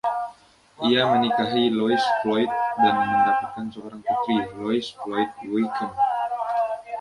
Ia menikahi Louise Floyd dan mendapatkan seorang putri, Louise Floyd Wickham.